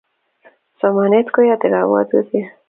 Somanet koyate kapwatutik